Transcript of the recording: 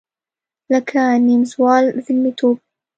لکه نیمزال زلمیتوب